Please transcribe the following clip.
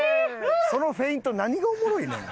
そのフェイント何がおもろいねん。